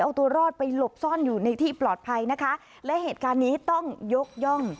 เอาตัวรอดไปหลบซ่อนอยู่ในที่ปลอดภัยนะคะและเหตุการณ์นี้ต้องยกย่อง